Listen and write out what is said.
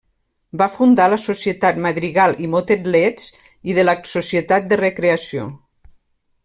Va fundar la Societat Madrigal i Motet Leeds i de la Societat de Recreació.